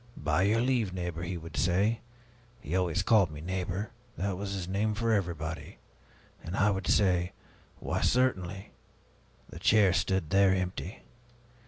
'By your leave, neighbor,' he would say. He always called me 'neighbor'; that was his name for everyone. And I would say, 'Why, certainly.' The chair stood there, empty.